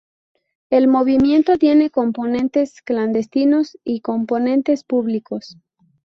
El movimiento tiene componentes clandestinos y componentes públicos.